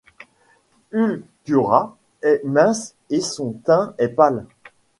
Ulquiorra est mince et son teint est pâle.